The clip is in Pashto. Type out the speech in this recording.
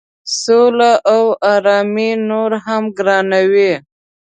سوله او آرامي نوره هم ګرانوي.